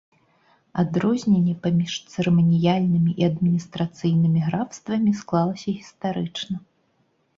Адрозненне паміж цырыманіяльнымі і адміністрацыйнымі графствамі склалася гістарычна.